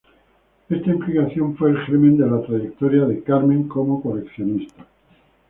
Esta implicación fue el germen de la trayectoria de Carmen como coleccionista.